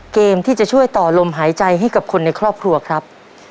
เกมที่จะช่วยต่อลมหายใจให้กับคนในครอบครัวครับ